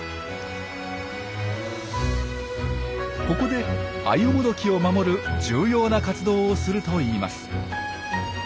ここでアユモドキを守る重要な活動をするといいます。